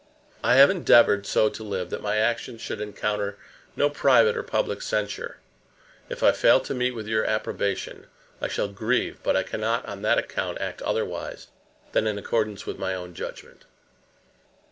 I have endeavoured so to live that my actions should encounter no private or public censure. If I fail to meet with your approbation, I shall grieve; but I cannot on that account act otherwise than in accordance with my own judgment."